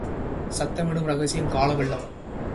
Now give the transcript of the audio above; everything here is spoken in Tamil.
சத்தமிடும் ரகசியம். காலவெள்ளம்